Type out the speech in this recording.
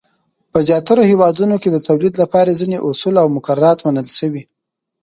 په زیاترو هېوادونو کې د تولید لپاره ځینې اصول او مقررات منل شوي.